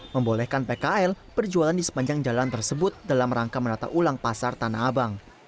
membolehkan pkl berjualan di sepanjang jalan tersebut dalam rangka menata ulang pasar tanah abang